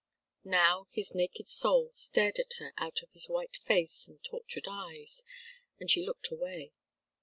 Now his naked soul stared at her out of his white face and tortured eyes, and she looked away.